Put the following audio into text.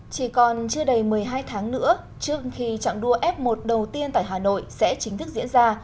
chỉ còn chưa đầy một mươi hai tháng nữa trước khi trạng đua f một đầu tiên tại hà nội sẽ chính thức diễn ra